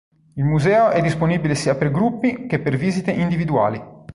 Il museo è disponibile sia per gruppi che per visite individuali.